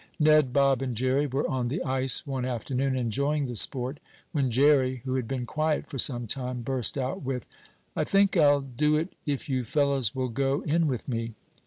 Ned, Bob and Jerry were on the ice one afternoon enjoying the sport, when Jerry, who had been quiet for some time, burst out with: "I think I'll do it if you fellows will go in with me."